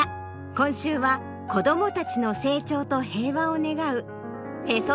今週は子どもたちの成長と平和を願うへそ